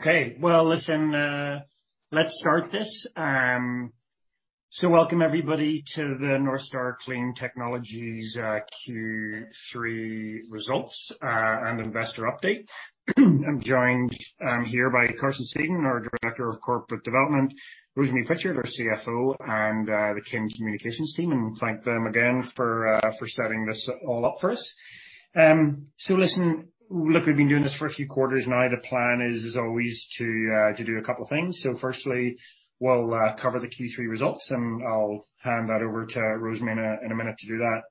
Okay. Well, listen, let's start this. Welcome everybody to the Northstar Clean Technologies Q3 Results and Investor Update. I'm joined here by Carson Sedun, our Director of Corporate Development, Rosemary Pritchard, our CFO, and the Kim Communications team, and thank them again for setting this all up for us. Listen, look, we've been doing this for a few quarters now. The plan is always to do a couple of things. Firstly, we'll cover the Q3 results, and I'll hand that over to Rosemary in a minute to do that.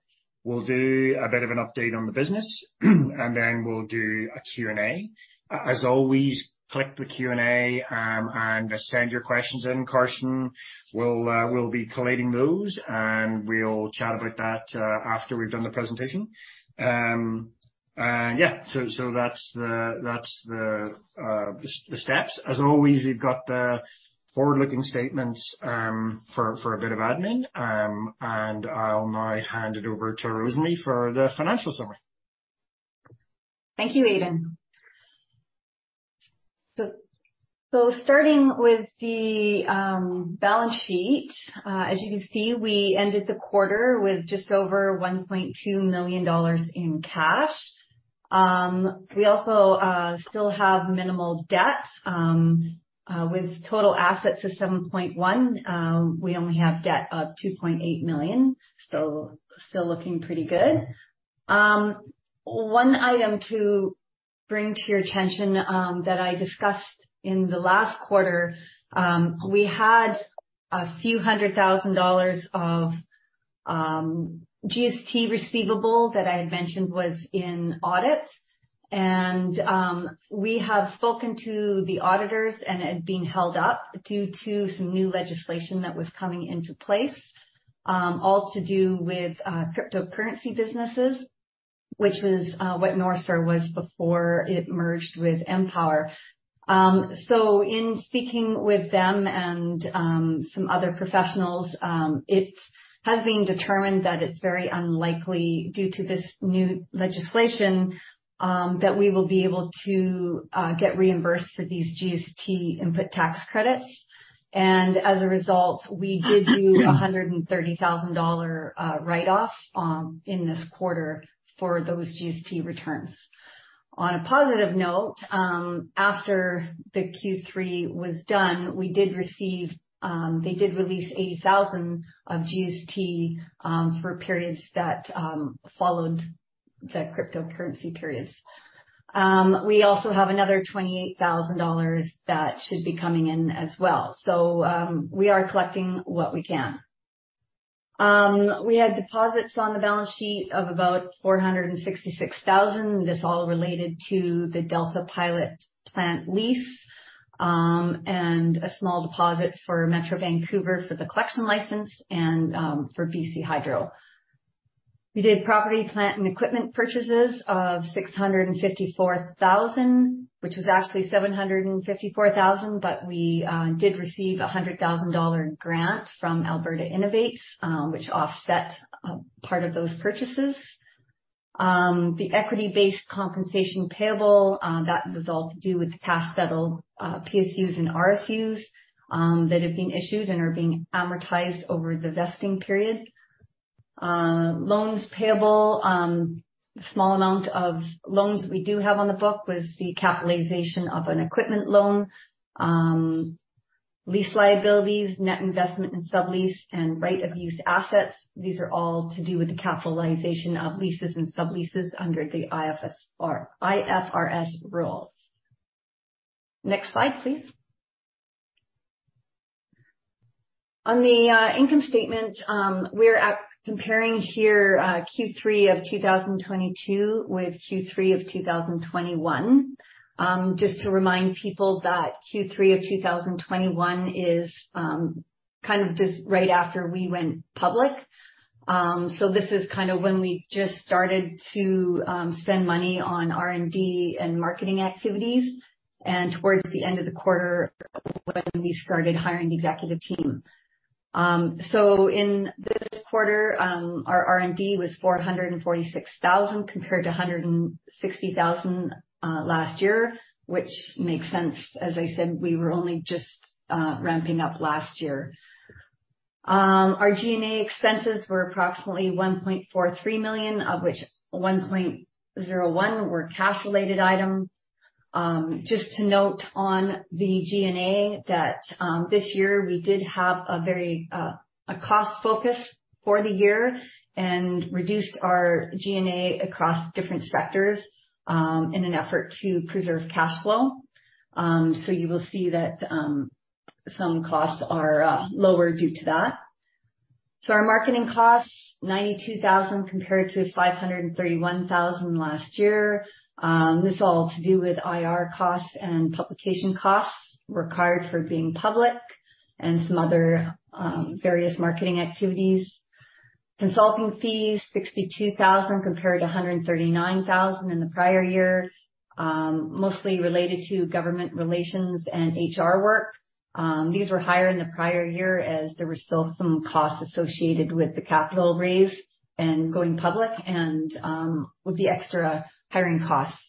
We'll do a bit of an update on the business, and then we'll do a Q&A. As always, click the Q&A and send your questions in Carson. We'll be collating those, and we'll chat about that after we've done the presentation. Yeah, so that's the steps. As always, we've got the forward-looking statements for a bit of admin. I'll now hand it over to Rosemary for the financial summary. Thank you, Aidan. Starting with the balance sheet. As you can see, we ended the quarter with just over 1.2 million dollars in cash. We also still have minimal debt with total assets of 7.1 million. We only have debt of 2.8 million, still looking pretty good. One item to bring to your attention that I discussed in the last quarter. We had a few hundred thousand dollars of GST receivable that I had mentioned was in audit. We have spoken to the auditors, it had been held up due to some new legislation that was coming into place all to do with cryptocurrency businesses, which is what Northstar was before it merged with Empower. In speaking with them and some other professionals, it has been determined that it's very unlikely due to this new legislation, that we will be able to get reimbursed for these GST input tax credits. As a result, we did do a 130,000 dollar write-off in this quarter for those GST returns. On a positive note, after the Q3 was done, we did receive—they did release 80,000 of GST for periods that followed the cryptocurrency periods. We also have another 28,000 dollars that should be coming in as well. We are collecting what we can. We had deposits on the balance sheet of about 466,000. This is all related to the Delta Pilot plant lease, and a small deposit for Metro Vancouver for the collection license and for BC Hydro. We did property, plant, and equipment purchases of 654,000, which was actually 754,000, we did receive a 100,000 dollar grant from Alberta Innovates, which offset part of those purchases. The equity-based compensation payable, that was all to do with the cash settled PSUs and RSUs that have been issued and are being amortized over the vesting period. Loans payable. The small amount of loans we do have on the book was the capitalization of an equipment loan. Lease liabilities, net investment in sublease, and right of use assets. These are all to do with the capitalization of leases and subleases under the IFRS rules. Next slide, please. On the income statement, we are comparing here Q3 of 2022 with Q3 of 2021. Just to remind people that Q3 of 2021 is kind of this right after we went public. This is kind of when we just started to spend money on R&D and marketing activities, and towards the end of the quarter when we started hiring the executive team. In this quarter, our R&D was 446,000 compared to 160,000 last year, which makes sense. As I said, we were only just ramping up last year. Our G&A expenses were approximately 1.43 million, of which 1.01 were cash-related items. Just to note on the G&A that this year we did have a very a cost focus for the year and reduced our G&A across different sectors in an effort to preserve cash flow. You will see that some costs are lower due to that. Our marketing costs, 92,000 compared to 531,000 last year. This is all to do with IR costs and publication costs required for being public and some other various marketing activities. Consulting fees, 62,000 compared to 139,000 in the prior year, mostly related to government relations and HR work. These were higher in the prior year as there were still some costs associated with the capital raise and going public and with the extra hiring costs.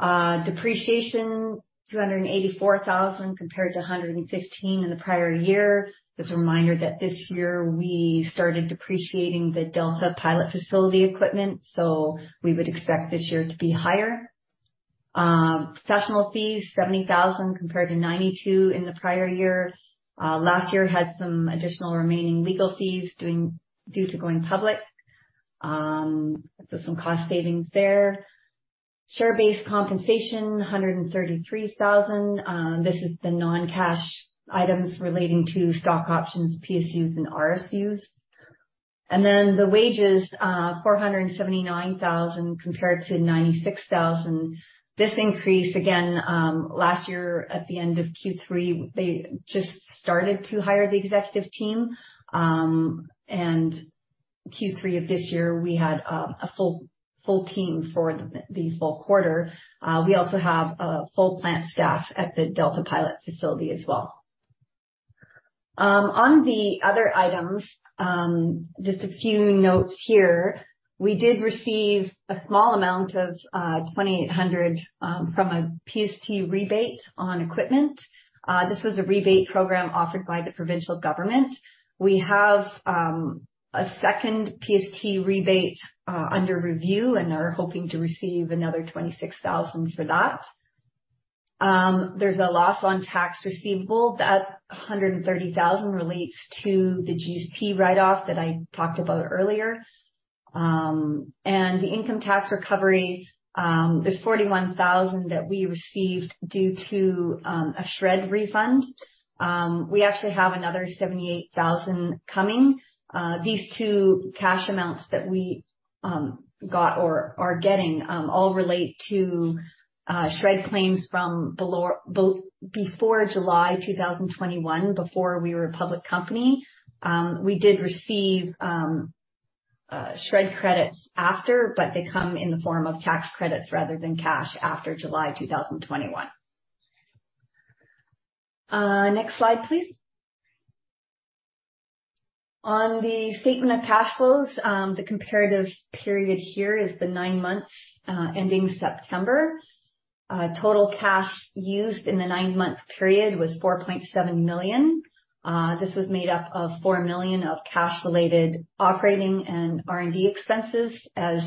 Depreciation 284,000 compared to 115,000 in the prior year. Just a reminder that this year we started depreciating the Delta Pilot facility equipment, so we would expect this year to be higher. Professional fees 70,000 compared to 92,000 in the prior year. Last year had some additional remaining legal fees due to going public, so some cost savings there. Share-based compensation, 133,000. This is the non-cash items relating to stock options, PSUs and RSUs. Then the wages, 479,000 compared to 96,000. This increase again, last year at the end of Q3, they just started to hire the executive team. Q3 of this year we had a full team for the full quarter. We also have a full plant staff at the Delta Pilot facility as well. On the other items, just a few notes here. We did receive a small amount of 2,800 from a PST rebate on equipment. This was a rebate program offered by the provincial government. We have a second PST rebate under review and are hoping to receive another 26,000 for that. There's a loss on tax receivable. That 130,000 relates to the GST write-off that I talked about earlier. The income tax recovery, there's 41,000 that we received due to a SR&ED refund. We actually have another 78,000 coming. These two cash amounts that we got or are getting, all relate to SR&ED claims from before July 2021, before we were a public company. We did receive SR&ED credits after, they come in the form of tax credits rather than cash after July 2021. Next slide, please. On the statement of cash flows, the comparative period here is the nine months ending September. Total cash used in the nine-month period was 4.7 million. This was made up of 4 million of cash-related operating and R&D expenses. As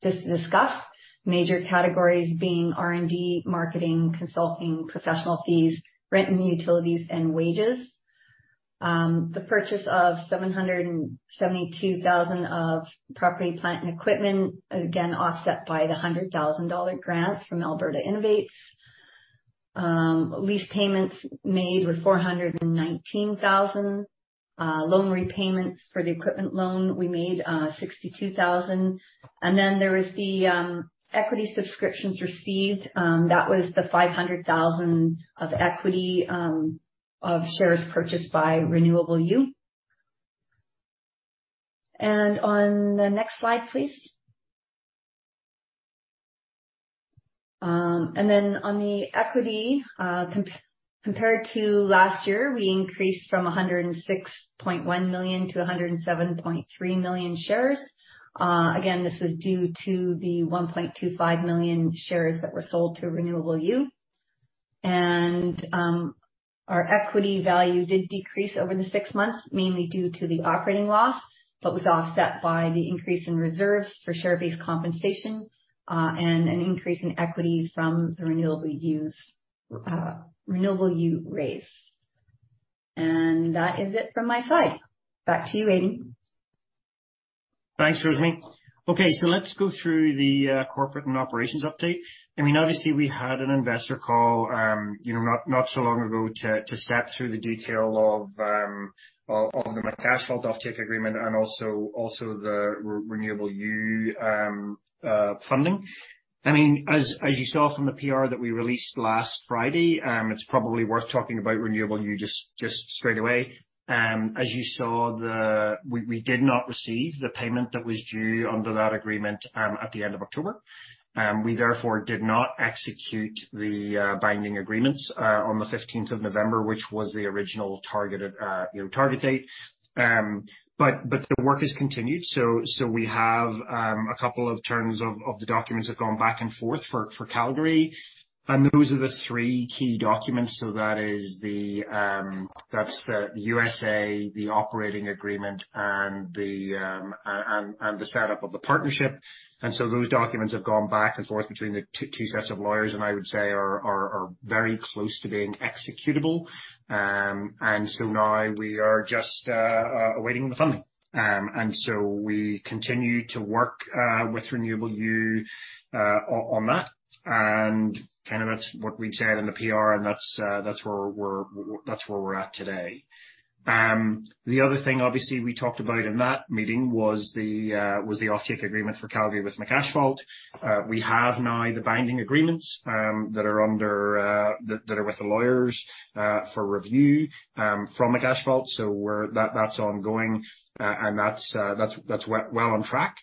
just discussed, major categories being R&D, marketing, consulting, professional fees, rent and utilities, and wages. The purchase of 772,000 of property, plant, and equipment, again, offset by the 100,000 dollar grant from Alberta Innovates. Lease payments made were 419,000. Loan repayments for the equipment loan we made, 62,000. There was the equity subscriptions received. That was the 500,000 of equity of shares purchased by Renewable U. On the next slide, please. On the equity, compared to last year, we increased from 106.1 million to 107.3 million shares. Again, this is due to the 1.25 million shares that were sold to Renewable U. Our equity value did decrease over the six months, mainly due to the operating loss, but was offset by the increase in reserves for share-based compensation, and an increase in equity from the Renewable U raise. That is it from my side. Back to you, Aidan. Thanks, Rosemary. Okay, let's go through the corporate and operations update. I mean obviously we had an investor call, you know, not so long ago to step through the detail of the McAsphalt offtake agreement and also the Renewable U funding. I mean, as you saw from the PR that we released last Friday, it's probably worth talking about Renewable U straight away. As you saw, we did not receive the payment that was due under that agreement at the end of October. We therefore did not execute the binding agreements on the 15th of November, which was the original targeted, you know, target date, but the work has continued. We have a couple of turns of the documents have gone back and forth for Calgary. Those are the three key documents. That is the, that's the USA, the operating agreement and the setup of the partnership. Those documents have gone back and forth between the two sets of lawyers, and I would say are very close to being executable. Now we are just awaiting the funding. We continue to work with Renewable U on that. Kind of that's what we've said in the PR and that's where we're at today. The other thing obviously we talked about in that meeting was the offtake agreement for Calgary with McAsphalt. We have now the binding agreements that are under that are with the lawyers for review from McAsphalt. That's ongoing, and that's well on track.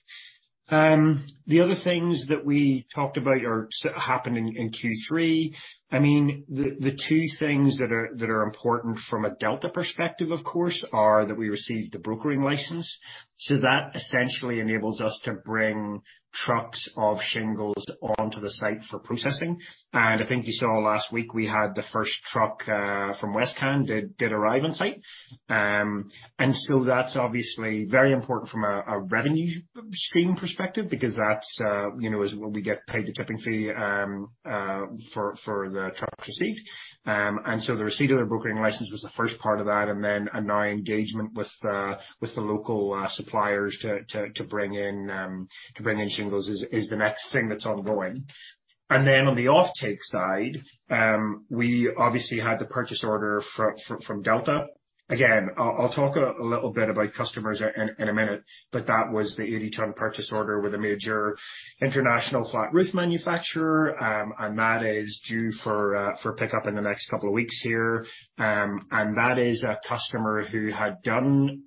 The other things that we talked about are happening in Q3. I mean, the two things that are important from a Delta perspective, of course, are that we received the brokering license. That essentially enables us to bring trucks of shingles onto the site for processing. I think you saw last week we had the first truck from Westcan did arrive on site. That's obviously very important from a revenue stream perspective because that's, you know, is where we get paid the tipping fee for the truck receipt. The receipt of the brokering license was the first part of that, and now engagement with the local suppliers to bring in shingles is the next thing that's ongoing. On the offtake side, we obviously had the purchase order from Delta. Again, I'll talk a little bit about customers in a minute, but that was the 80-ton purchase order with a major international flat roof manufacturer. That is due for pickup in the next couple of weeks here. That is a customer who had done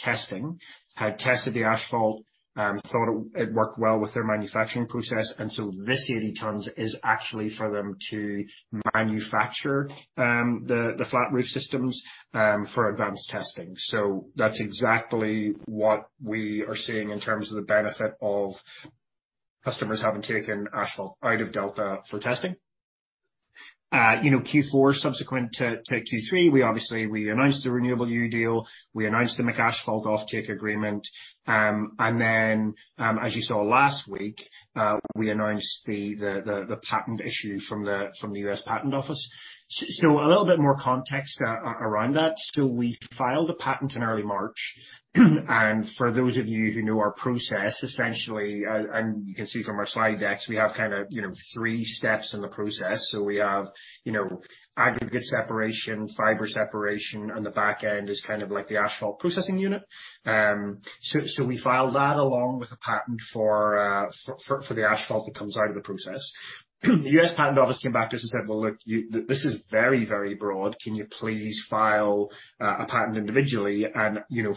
testing, had tested the asphalt, thought it worked well with their manufacturing process. This 80 tons is actually for them to manufacture the flat roof systems for advanced testing. That's exactly what we are seeing in terms of the benefit of customers having taken asphalt out of Delta for testing. You know, Q4 subsequent to Q3, we announced the Renewable U deal. We announced the McAsphalt offtake agreement. As you saw last week, we announced the patent issue from the U.S. Patent Office. So a little bit more context around that. We filed a patent in early March, for those of you who know our process, essentially, and you can see from our slide decks, we have kind of, you know, three steps in the process. We have, you know, aggregate separation, fiber separation, and the back end is kind of like the asphalt processing unit. So we filed that along with a patent for the asphalt that comes out of the process. The U.S. Patent Office came back to us and said, "Well, look, this is very, very broad. Can you please file a patent individually?" You know,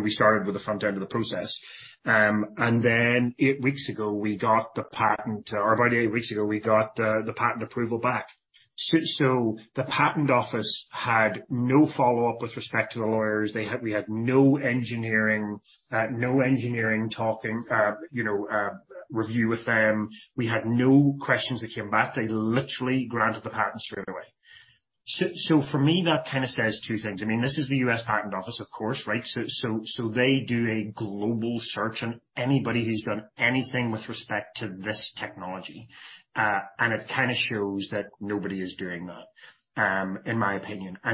we started with the front end of the process. Then eight weeks ago, we got the patent, or about eight weeks ago, we got the patent approval back. The patent office had no follow-up with respect to the lawyers. We had no engineering, no engineering talking, you know, review with them. We had no questions that came back. They literally granted the patent straight away. For me, that kind of says two things. I mean, this is the U.S. Patent Office, of course, right? They do a global search on anybody who's done anything with respect to this technology. It kind of shows that nobody is doing that, in my opinion. I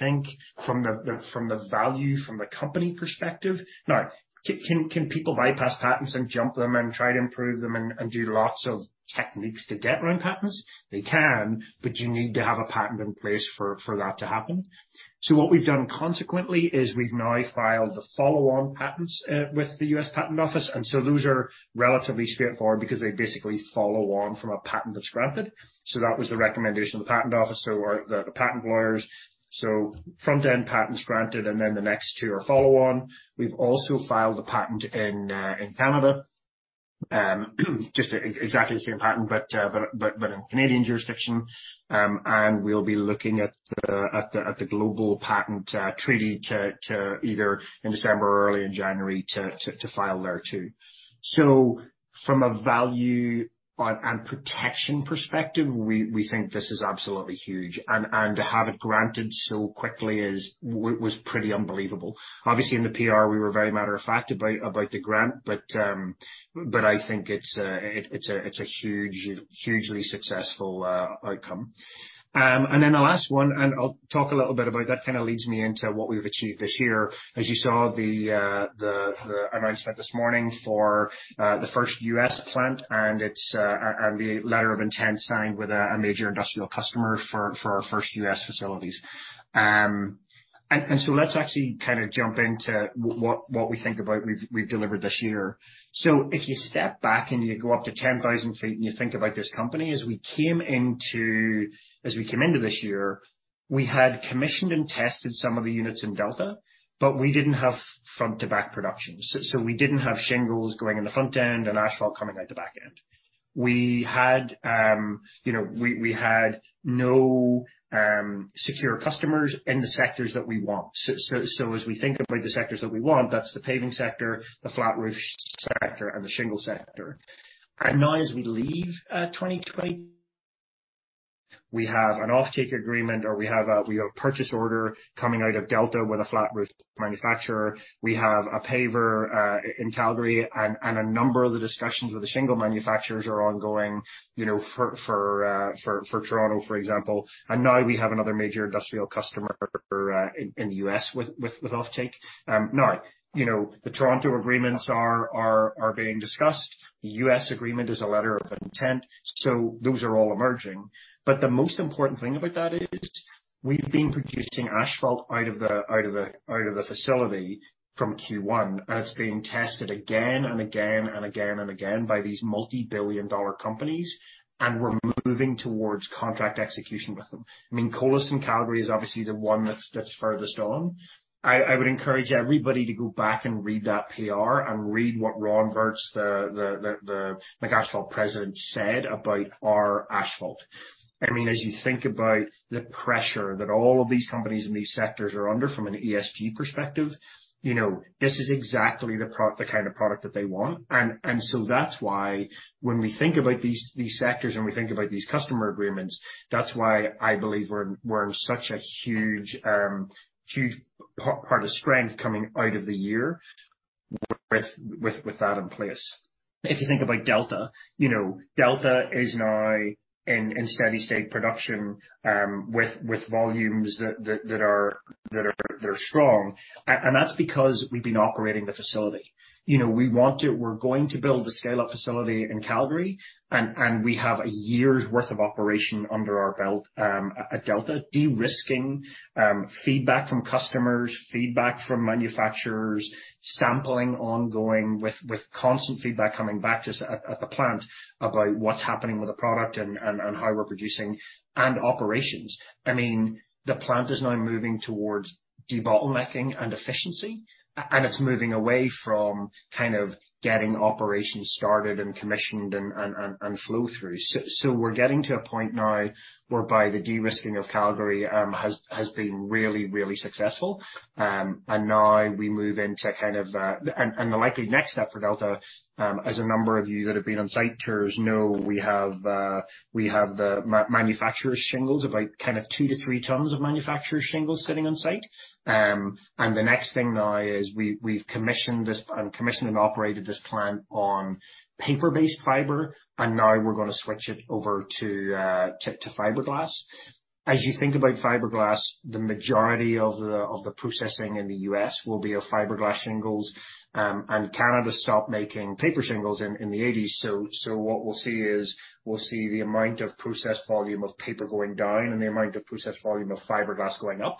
think from the value, from the company perspective. Now, can people bypass patents and jump them and try to improve them and do lots of techniques to get around patents? They can, but you need to have a patent in place for that to happen. What we've done consequently is we've now filed the follow-on patents with the U.S. Patent Office. Those are relatively straightforward because they basically follow on from a patent that's granted. That was the recommendation of the Patent Office or the patent lawyers. Front-end patent's granted, and then the next two are follow on. We've also filed a patent in Canada, just exactly the same patent but in Canadian jurisdiction. We'll be looking at the Global Patent Treaty to either in December or early in January to file there too. From a value and protection perspective, we think this is absolutely huge. To have it granted so quickly was pretty unbelievable. Obviously, in the PR, we were very matter-of-fact about the grant, but I think it's a huge, hugely successful outcome. Then the last one, and I'll talk a little bit about that, kind of leads me into what we've achieved this year. As you saw the announcement this morning for the first U.S. plant and its and the letter of intent signed with a major industrial customer for our first U.S. facilities. Let's actually kind of jump into what we think about we've delivered this year. If you step back and you go up to 10,000 feet and you think about this company, as we came into this year, we had commissioned and tested some of the units in Delta, but we didn't have front to back production. We didn't have shingles going in the front end and asphalt coming out the back end. We had, you know, we had no secure customers in the sectors that we want. As we think about the sectors that we want, that's the paving sector, the flat roof sector, and the shingle sector. Now as we leave 2020 we have an offtake agreement, or we have a purchase order coming out of Delta with a flat roof manufacturer. We have a paver in Calgary and a number of the discussions with the shingle manufacturers are ongoing, you know, for Toronto, for example. Now we have another major industrial customer in the U.S. with offtake. Now, you know, the Toronto agreements are being discussed. The U.S. agreement is a letter of intent, those are all emerging. The most important thing about that is we've been producing asphalt out of the facility from Q1, and it's being tested again and again and again and again by these multi-billion dollar companies, and we're moving towards contract execution with them. I mean, Colas in Calgary is obviously the one that's furthest on. I would encourage everybody to go back and read that PR and read what Ron Vertz, the McAsphalt President, said about our asphalt. I mean, as you think about the pressure that all of these companies in these sectors are under from an ESG perspective, you know, this is exactly the kind of product that they want. That's why when we think about these sectors and we think about these customer agreements, that's why I believe we're in such a huge part of strength coming out of the year with that in place. If you think about Delta, you know, Delta is now in steady state production, with volumes that are strong. That's because we've been operating the facility. You know, we're going to build the scale-up facility in Calgary and we have a year's worth of operation under our belt, at Delta de-risking, feedback from customers, feedback from manufacturers, sampling ongoing with constant feedback coming back to us at the plant about what's happening with the product and how we're producing and operations. I mean, the plant is now moving towards de-bottlenecking and efficiency, and it's moving away from kind of getting operations started and commissioned and flow through. We're getting to a point now whereby the de-risking of Calgary has been really, really successful. The likely next step for Delta, as a number of you that have been on site tours know, we have the manufacturer's shingles of, like, kind of two to three tons of manufacturer's shingles sitting on site. The next thing now is we've commissioned and operated this plant on paper-based fiber, and now we're gonna switch it over to fiberglass. As you think about fiberglass, the majority of the processing in the U.S. will be of fiberglass shingles. Canada stopped making paper shingles in the '80s, so what we'll see is the amount of processed volume of paper going down and the amount of processed volume of fiberglass going up.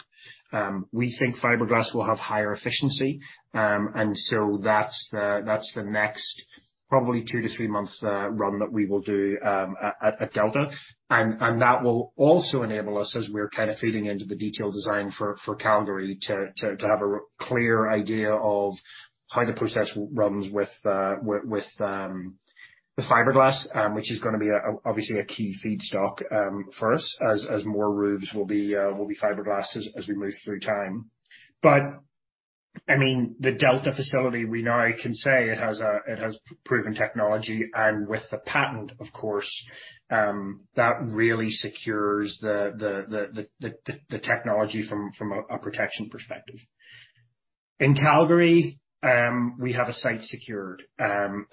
We think fiberglass will have higher efficiency. That's the next probably two to three months run that we will do at Delta. That will also enable us, as we're kind of feeding into the detailed design for Calgary, to have a clear idea of how the process runs with the fiberglass, which is gonna be obviously a key feedstock for us as more roofs will be fiberglass as we move through time. I mean, the Delta facility, we now can say it has proven technology. With the patent, of course, that really secures the technology from a protection perspective. In Calgary, we have a site secured.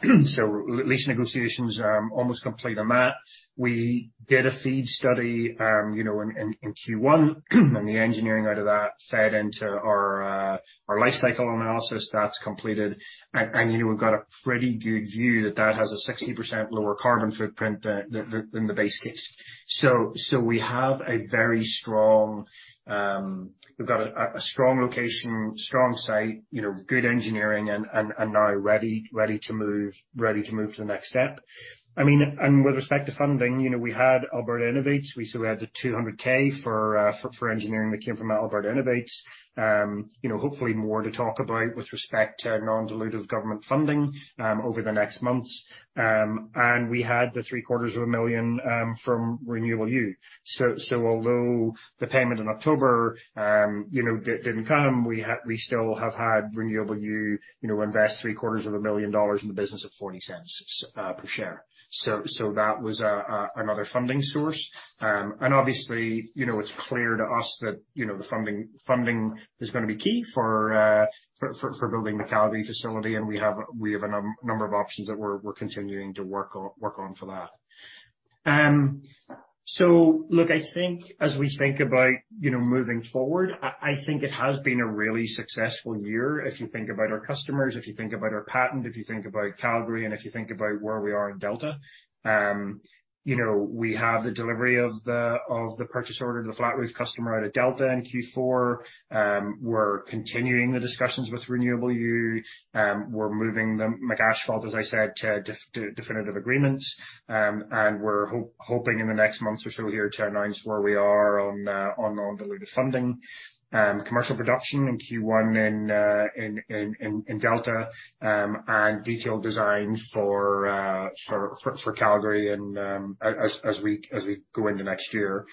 Lease negotiations are almost complete on that. We did a FEED study, you know, in Q1. The engineering out of that fed into our life cycle analysis. That's completed. You know, we've got a pretty good view that that has a 60% lower carbon footprint than the base case. We have a very strong. We've got a strong location, strong site, you know, good engineering and now ready to move to the next step. I mean, with respect to funding, you know, we had Alberta Innovates. We had the 200,000 for engineering that came from Alberta Innovates. You know, hopefully more to talk about with respect to non-dilutive government funding over the next months. We had the 750,000 from Renewable U. Although the payment in October, you know, didn't come, we still have had Renewable U, you know, invest 750,000 dollars in the business at 0.40 per share. That was another funding source. Obviously, you know, it's clear to us that, you know, the funding is gonna be key for building the Calgary facility, and we have a number of options that we're continuing to work on for that. Look, I think as we think about, you know, moving forward, I think it has been a really successful year, if you think about our customers, if you think about our patent, if you think about Calgary, and if you think about where we are in Delta. You know, we have the delivery of the purchase order to the flat roof customer out of Delta in Q4. We're continuing the discussions with Renewable U. We're moving the McAsphalt, as I said, to definitive agreements. And we're hoping in the next month or so here to announce where we are on non-dilutive funding. Commercial production in Q1 in Delta, and detailed design for Calgary and as we go into next year.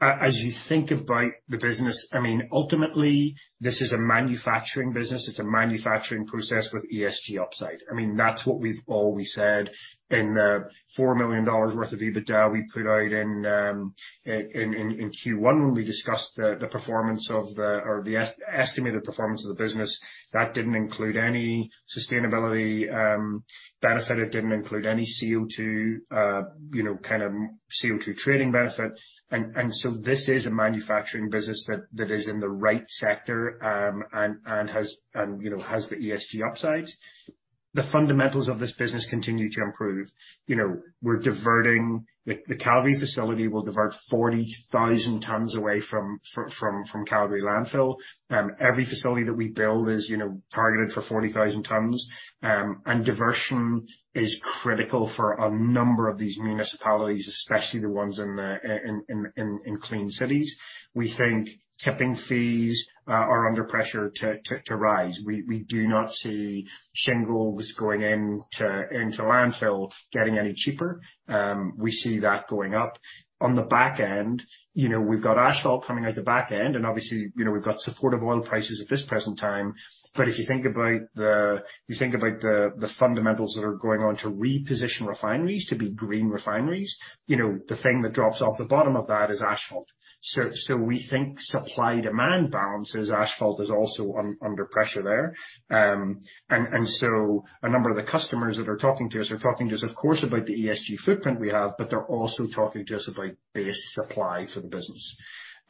As you think about the business, I mean, ultimately this is a manufacturing business. It's a manufacturing process with ESG upside. I mean, that's what we've always said. In the 4 million dollars worth of EBITDA we put out in Q1 when we discussed the estimated performance of the business, that didn't include any sustainability benefit. It didn't include any CO2, you know, kind of CO2 trading benefit. This is a manufacturing business that is in the right sector and has, you know, the ESG upside. The fundamentals of this business continue to improve. You know, the Calgary facility will divert 40,000 tons away from Calgary landfill. Every facility that we build is, you know, targeted for 40,000 tons. Diversion is critical for a number of these municipalities, especially the ones in Clean Cities. We think tipping fees are under pressure to rise. We do not see shingles going into landfill getting any cheaper. We see that going up. On the back end, you know, we've got asphalt coming out the back end and obviously, you know, we've got supportive oil prices at this present time. If you think about the, if you think about the fundamentals that are going on to reposition refineries to be green refineries, you know, the thing that drops off the bottom of that is asphalt. We think supply-demand balance as asphalt is also under pressure there. A number of the customers that are talking to us, of course, about the ESG footprint we have, but they're also talking to us about base supply for the business.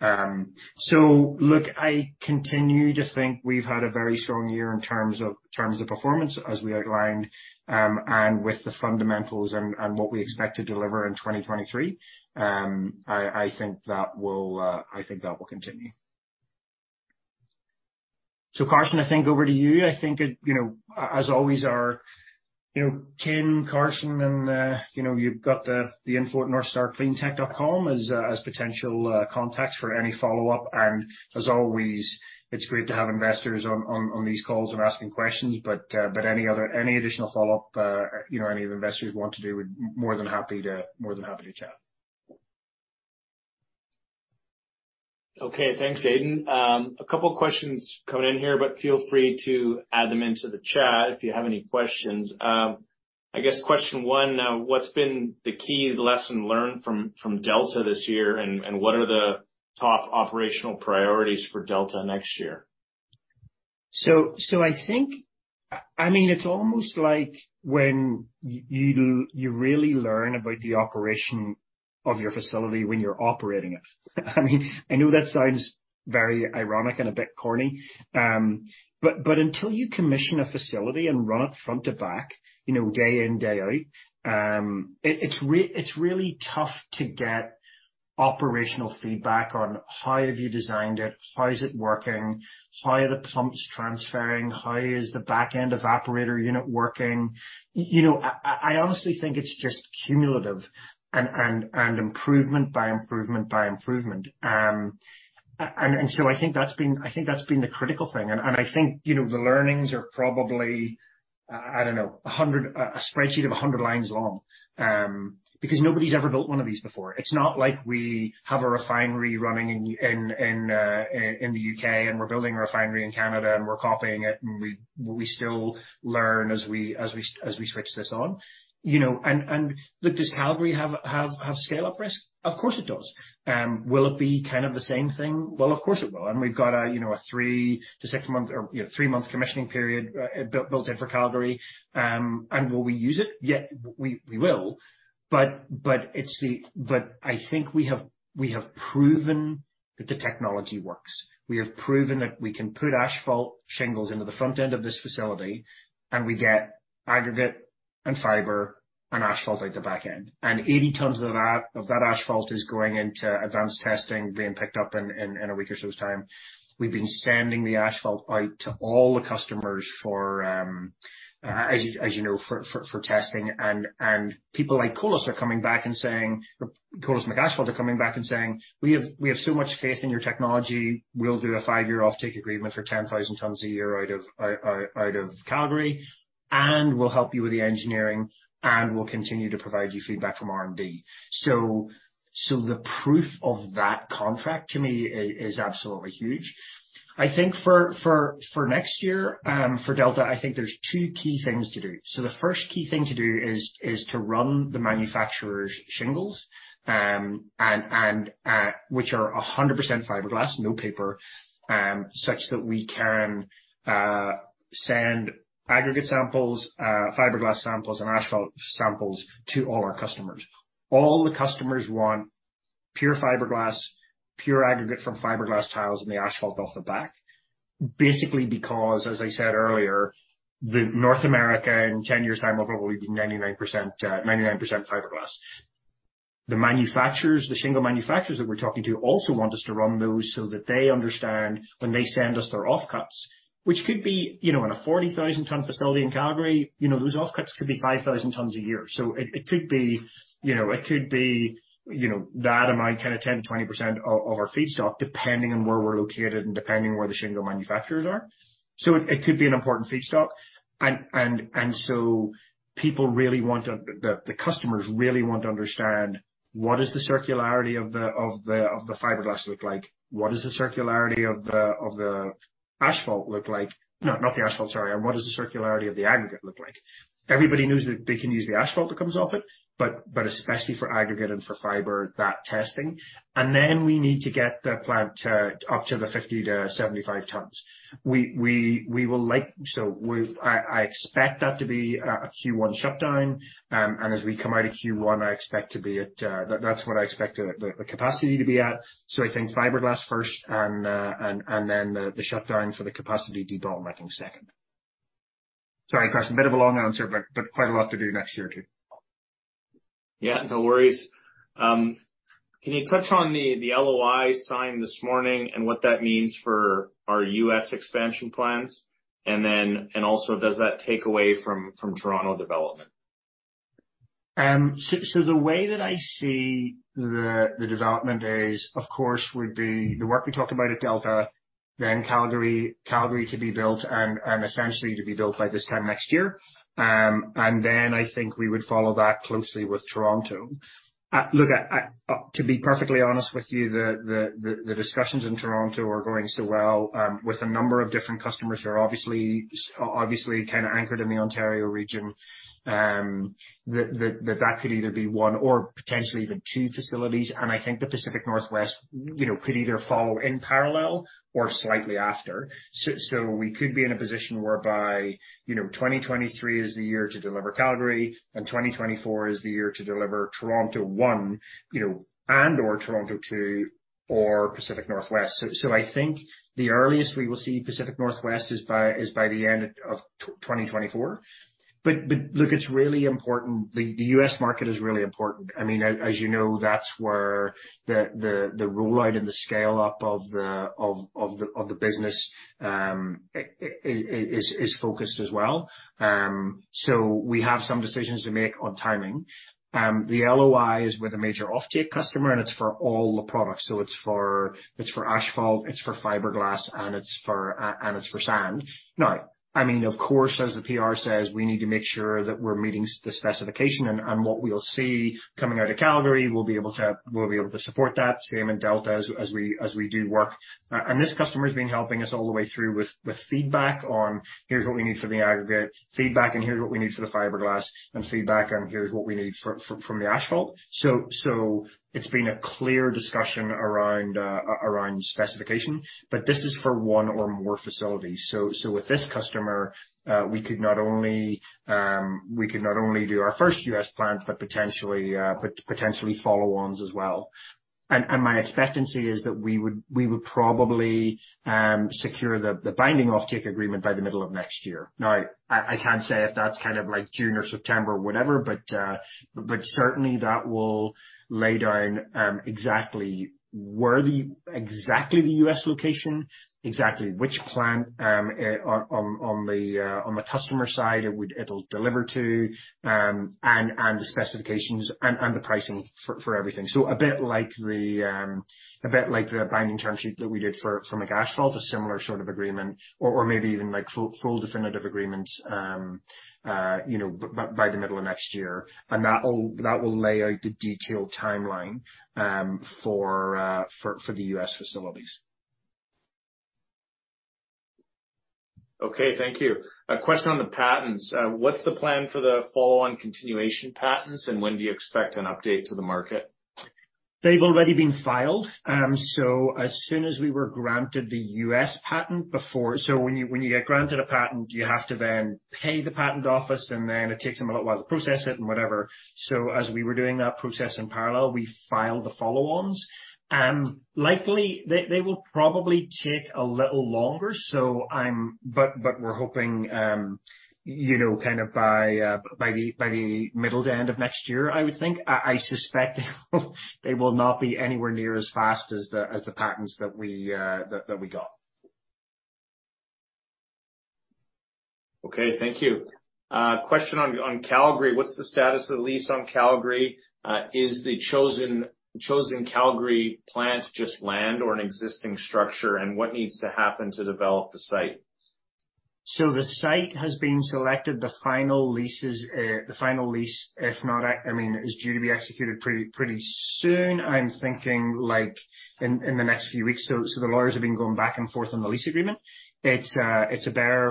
Look, I continue to think we've had a very strong year in terms of performance as we outlined. With the fundamentals and what we expect to deliver in 2023, I think that will continue. Carson, I think over to you. I think, you know, as always, our, you know, Ken, Carson, and, you know, you've got the info at northstarcleantech.com as potential contacts for any follow-up. As always, it's great to have investors on these calls and asking questions, any additional follow-up, you know, any of the investors want to do, we're more than happy to chat. Okay, thanks, Aidan. A couple questions coming in here, but feel free to add them into the chat if you have any questions. I guess question one, what's been the key lesson learned from Delta this year, and what are the top operational priorities for Delta next year? I mean, it's almost like when you really learn about the operation of your facility when you're operating it. I mean, I know that sounds very ironic and a bit corny, but until you commission a facility and run it front to back, you know, day in, day out, it's really tough to get operational feedback on how have you designed it, how is it working, how are the pumps transferring, how is the back-end evaporator unit working. You know, I honestly think it's just cumulative and improvement by improvement by improvement, I think that's been the critical thing. I think, you know, the learnings are probably, I don't know, a spreadsheet of 100 lines long, because nobody's ever built one of these before. It's not like we have a refinery running in the U.K., and we're building a refinery in Canada, and we're copying it, and we still learn as we switch this on. You know, look, does Calgary have scale-up risk? Of course it does. Will it be kind of the same thing? Well, of course it will. We've got a, you know, a three to six month or, you know, three-month commissioning period, built in for Calgary. Will we use it? Yeah, we will. I think we have proven that the technology works. We have proven that we can put asphalt shingles into the front end of this facility, and we get aggregate and fiber and asphalt out the back end. 80 tons of that asphalt is going into advanced testing, being picked up in a week or so's time. We've been sending the asphalt out to all the customers for as you know, for testing. People like McAsphalt are coming back and saying, "We have so much faith in your technology. We'll do a five-year offtake agreement for 10,000 tons a year out of Calgary, and we'll help you with the engineering, and we'll continue to provide you feedback from R&D. The proof of that contract to me is absolutely huge. I think for next year, for Delta, I think there's two key things to do. The first key thing to do is to run the manufacturer's shingles, which are 100% fiberglass, no paper, such that we can send aggregate samples, fiberglass samples, and asphalt samples to all our customers. All the customers want pure fiberglass, pure aggregate from fiberglass tiles, and the asphalt off the back. Basically because, as I said earlier, North America in 10 years' time will probably be 99% fiberglass. The manufacturers, the shingle manufacturers that we're talking to also want us to run those so that they understand when they send us their offcuts, which could be, you know, in a 40,000-ton facility in Calgary, you know, those offcuts could be 5,000 tons a year. It could be, you know, that amount, kind of 10%-20% of our feedstock, depending on where we're located and depending where the shingle manufacturers are. It could be an important feedstock. The customers really want to understand what is the circularity of the fiberglass look like? What does the circularity of the asphalt look like? No, not the asphalt, sorry. What does the circularity of the aggregate look like? Everybody knows that they can use the asphalt that comes off it, but especially for aggregate and for fiber, that testing. Then we need to get the plant up to the 50–75 tons. I expect that to be a Q1 shutdown, and as we come out of Q1, I expect to be at. That's what I expect the capacity to be at. I think fiberglass first and then the shutdown for the capacity development second. Sorry, Carson, a bit of a long answer, but quite a lot to do next year, too. Yeah, no worries. Can you touch on the LOI signed this morning and what that means for our U.S. expansion plans? Does that take away from Toronto development? The way that I see the development is, of course, would be the work we talk about at Delta, then Calgary to be built and essentially to be built by this time next year. Then I think we would follow that closely with Toronto. Look, to be perfectly honest with you, the discussions in Toronto are going so well, with a number of different customers who are obviously kinda anchored in the Ontario region, that could either be one or potentially even two facilities. I think the Pacific Northwest, you know, could either follow in parallel or slightly after. We could be in a position whereby, you know, 2023 is the year to deliver Calgary and 2024 is the year to deliver Toronto 1, you know, and/or Toronto 2 or Pacific Northwest. I think the earliest we will see Pacific Northwest is by the end of 2024. Look, it's really important. The U.S. market is really important. I mean, as you know, that's where the rollout and the scale-up of the business is focused as well. We have some decisions to make on timing. The LOI is with a major offtake customer, and it's for all the products. It's for asphalt, it's for fiberglass, and it's for sand. I mean, of course, as the PR says, we need to make sure that we're meeting the specification and what we'll see coming out of Calgary, we'll be able to support that, same in Delta as we, as we do work. And this customer has been helping us all the way through with feedback on here's what we need from the aggregate, feedback on here's what we need for the fiberglass and feedback on here's what we need from the asphalt. It's been a clear discussion around specification. This is for one or more facilities. With this customer, we could not only do our first U.S. plant, but potentially follow-ons as well. My expectancy is that we would probably secure the binding offtake agreement by the middle of next year. I can't say if that's kind of like June or September, whatever, but certainly that will lay down exactly where the U.S. location, exactly which plant on the customer side it'll deliver to, and the specifications and the pricing for everything. A bit like the binding term sheet that we did for McAsphalt, a similar sort of agreement or maybe even like full definitive agreements, you know, by the middle of next year. That will lay out the detailed timeline for the U.S. facilities. Okay, thank you. A question on the patents. What's the plan for the follow-on continuation patents? When do you expect an update to the market? They've already been filed. As soon as we were granted the U.S. patent, when you get granted a patent, you have to then pay the patent office, and then it takes them a little while to process it and whatever. As we were doing that process in parallel, we filed the follow-ons. Likely they will probably take a little longer, but we're hoping, you know, kind of by the middle to end of next year, I would think. I suspect they will not be anywhere near as fast as the patents that we got. Okay, thank you. Question on Calgary. What's the status of the lease on Calgary? Is the chosen Calgary plant just land or an existing structure, and what needs to happen to develop the site? The site has been selected. The final leases, the final lease, if not, I mean, is due to be executed pretty soon. I'm thinking like in the next few weeks. The lawyers have been going back and forth on the lease agreement. It's a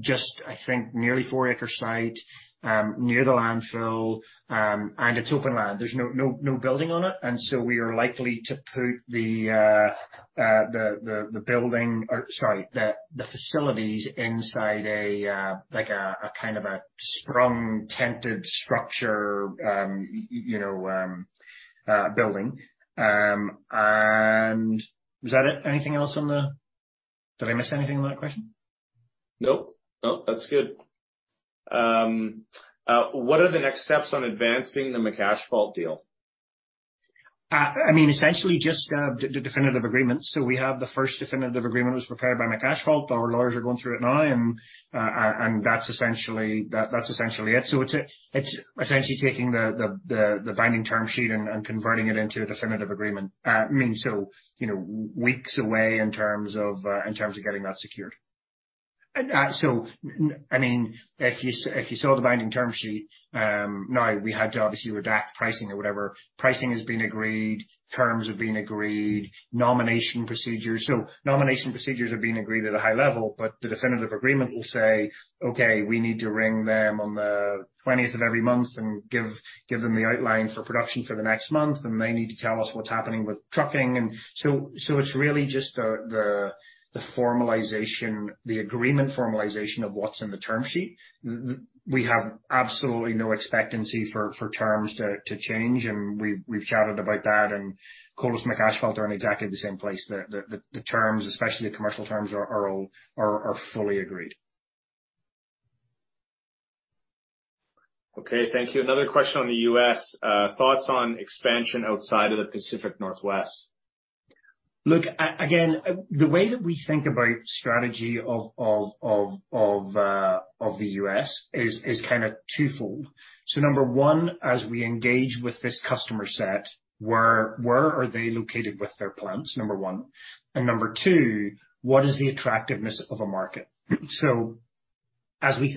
just, I think, nearly four acre site near the landfill, and it's open land. There's no building on it. We are likely to put the, the building or sorry, the facilities inside a like a kind of a sprung tented structure, you know, building. Is that it? Anything else on the—did I miss anything on that question? Nope. Nope. That's good. What are the next steps on advancing the McAsphalt deal? I mean, essentially just the definitive agreement. We have the first definitive agreement was prepared by McAsphalt. Our lawyers are going through it now, and that's essentially it. It's essentially taking the binding term sheet and converting it into a definitive agreement. I mean, you know, weeks away in terms of getting that secured. I mean, if you saw the binding term sheet, now we had to obviously redact pricing or whatever. Pricing has been agreed, terms have been agreed, nomination procedures. Nomination procedures have been agreed at a high level, but the definitive agreement will say, "Okay, we need to ring them on the 20th of every month and give them the outline for production for the next month, and they need to tell us what's happening with trucking." It's really just the formalization, the agreement formalization of what's in the term sheet. We have absolutely no expectancy for terms to change, and we've chatted about that and Colas McAsphalt are in exactly the same place. The terms, especially the commercial terms are all fully agreed. Okay, thank you. Another question on the U.S. thoughts on expansion outside of the Pacific Northwest? Look, again, the way that we think about strategy of the U.S. is kind of twofold. Number one, as we engage with this customer set, where are they located with their plants? Number one. Number two, what is the attractiveness of a market? Let's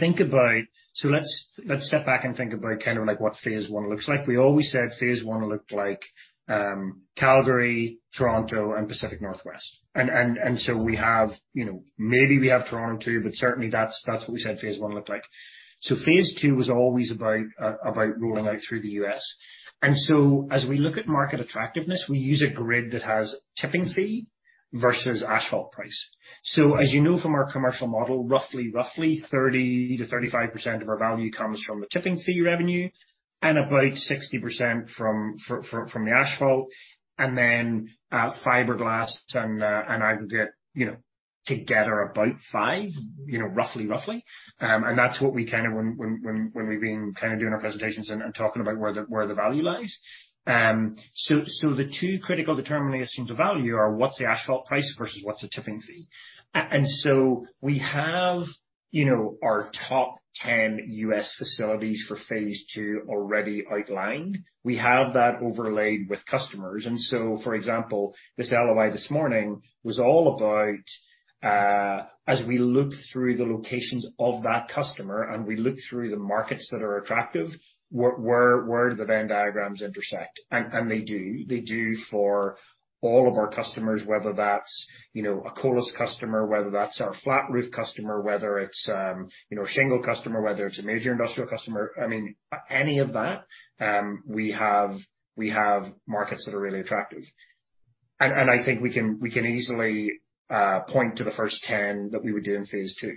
step back and think about kind of like what phase one looks like. We always said phase one looked like Calgary, Toronto and Pacific Northwest. We have, you know, maybe we have Toronto too, but certainly that's what we said phase one looked like. Phase two was always about rolling out through the U.S. As we look at market attractiveness, we use a grid that has tipping fee versus asphalt price. As you know from our commercial model, roughly 30%-35% of our value comes from the tipping fee revenue and about 60% from the asphalt and then fiberglass and aggregate, you know, together about 5%, roughly. That's what we kind of when we've been kinda doing our presentations and talking about where the value lies. The two critical determining assumes of value are what's the asphalt price versus what's the tipping fee. We have, you know, our top 10 U.S. facilities for phase 2 already outlined. We have that overlaid with customers. For example, this LOI this morning was all about, as we look through the locations of that customer and we look through the markets that are attractive, where do the Venn diagrams intersect? They do. They do for all of our customers, whether that's, you know, a Colas customer, whether that's our flat roof customer, whether it's, you know, a shingle customer, whether it's a major industrial customer. I mean, any of that, we have markets that are really attractive. I think we can easily point to the first 10 that we would do in phase 2.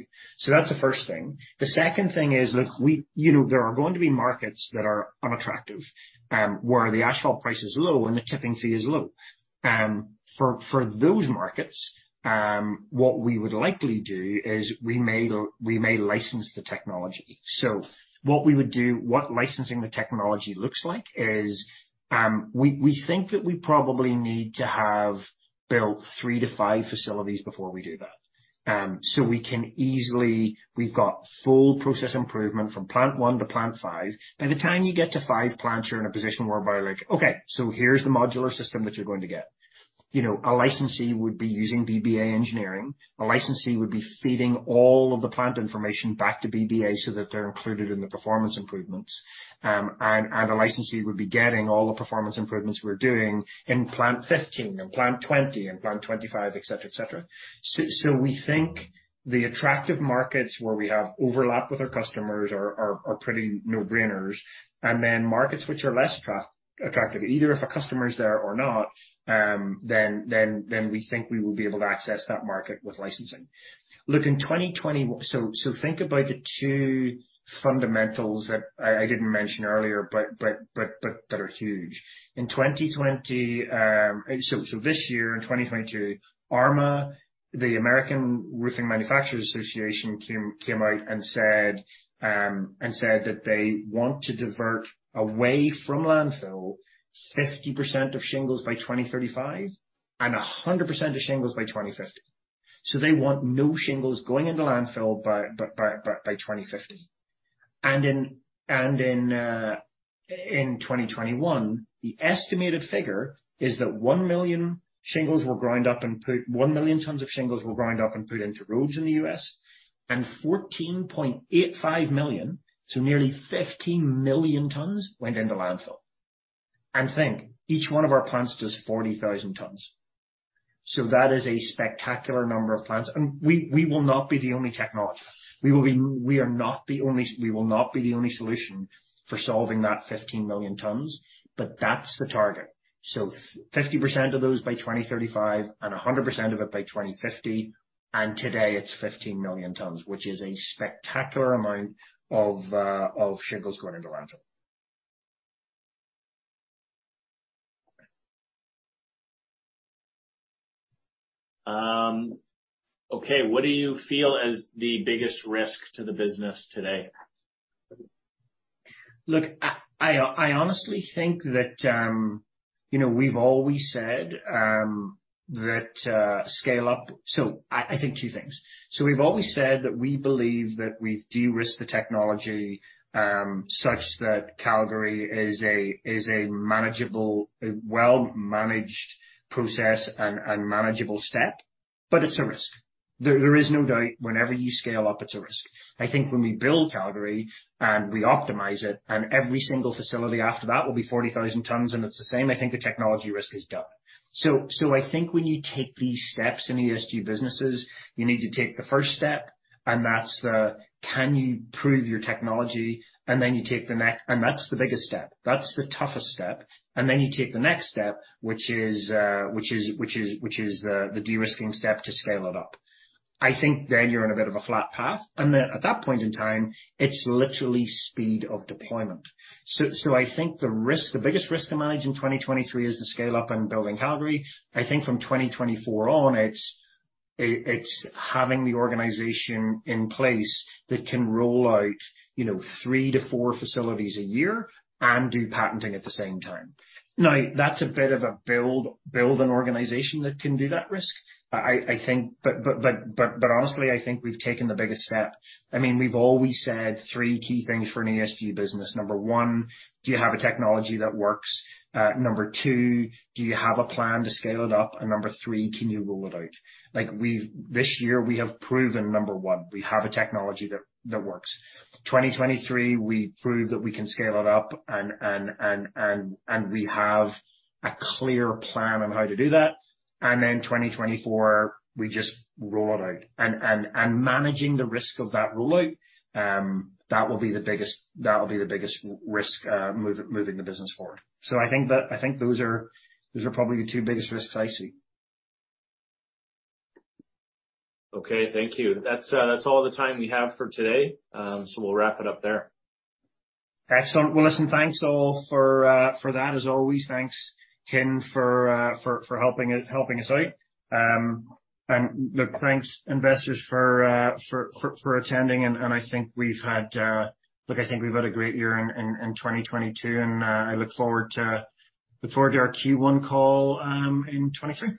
That's the first thing. The second thing is, look, you know, there are going to be markets that are unattractive, where the asphalt price is low and the tipping fee is low. For, for those markets, what we would likely do is we may license the technology. What licensing the technology looks like is, we think that we probably need to have built three to five facilities before we do that. We can easily, we've got full process improvement from plant one to plant five. By the time you get to five plants, you're in a position whereby like, "Okay, so here's the modular system that you're going to get." You know, a licensee would be using BBA engineering. A licensee would be feeding all of the plant information back to BBA so that they're included in the performance improvements. A licensee would be getting all the performance improvements we're doing in plant 15 and plant 20 and plant 25, et cetera, et cetera. We think the attractive markets where we have overlap with our customers are pretty no-brainers. Then markets which are less attractive, either if a customer is there or not, then we think we will be able to access that market with licensing. In 2020. Think about the two fundamentals that I didn't mention earlier, but that are huge. In 2020. This year in 2022, ARMA, the Asphalt Roofing Manufacturers Association, came out and said that they want to divert away from landfill 50% of shingles by 2035 and 100% of shingles by 2050. They want no shingles going into landfill by 2050. In 2021, the estimated figure is that one million tons of shingles were ground up and put into roads in the US, and 14.85 million, so nearly 15 million tons, went into landfill. Think, each one of our plants does 40,000 tons. That is a spectacular number of plants. We will not be the only technology. We will not be the only solution for solving that 15 million tons, that's the target. 50% of those by 2035 and 100% of it by 2050, today it's 15 million tons, which is a spectacular amount of shingles going into landfill. Okay. What do you feel is the biggest risk to the business today? I honestly think that, you know, we've always said, that, scale up. I think two things. We've always said that we believe that we've de-risked the technology, such that Calgary is a manageable, well-managed process and manageable step. It's a risk. There is no doubt whenever you scale up, it's a risk. I think when we build Calgary and we optimize it, and every single facility after that will be 40,000 tons and it's the same. I think the technology risk is done. I think when you take these steps in ESG businesses, you need to take the first step, and that's the can you prove your technology? And that's the biggest step. That's the toughest step. Then you take the next step, which is the de-risking step to scale it up. I think then you're on a bit of a flat path. Then at that point in time, it's literally speed of deployment. I think the risk, the biggest risk to manage in 2023 is the scale up and building Calgary. I think from 2024 on, it's, it's having the organization in place that can roll out, you know, three to four facilities a year and do patenting at the same time. That's a bit of a build an organization that can do that risk, I think. Honestly, I think we've taken the biggest step. I mean, we've always said three key things for an ESG business. Number one, do you have a technology that works? Number two, do you have a plan to scale it up? Number three, can you roll it out? Like this year we have proven Number one. We have a technology that works. 2023, we prove that we can scale it up and we have a clear plan on how to do that. Then 2024, we just roll it out. Managing the risk of that rollout, that will be the biggest risk, moving the business forward. I think those are probably the two biggest risks I see. Okay. Thank you. That's all the time we have for today. We'll wrap it up there. Excellent. Well, listen, thanks all for that. As always, thanks Kim for helping us out. Look, thanks investors for attending and I think we've had a great year in 2022, and I look forward to our Q1 call in 2023.